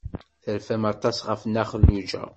Terfam aṭas ɣef Nna Xelluǧa.